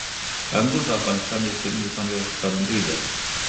انګور د افغانستان د اقلیمي نظام یوه ښکارندوی ده.